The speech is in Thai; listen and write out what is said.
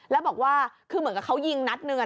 แล้วบอกว่าคือเหมือนกับเขายิงนัดหนึ่ง